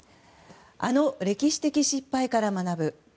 あの歴史的失敗から学ぶ